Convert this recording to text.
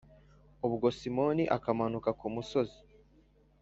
Ubwo Simoni akamanuka ku musozi